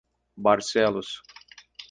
Barcelos